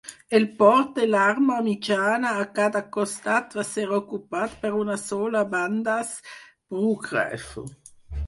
El port de l'arma mitjana a cada costat va ser ocupat per una sola bandes, Brooke rifle.